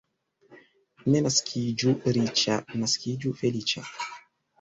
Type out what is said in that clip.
Ne naskiĝu riĉa, naskiĝu feliĉa.